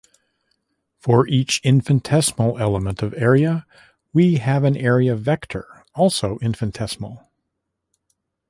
For each infinitesimal element of area, we have an area vector, also infinitesimal.